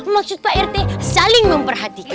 maksud pak rt saling memperhatikan